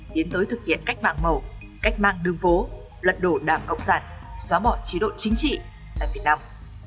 đến tới thực hiện cách mạng màu cách mạng đường phố luật đổ đảng cộng sản xóa bỏ chí độ chính trị tại việt nam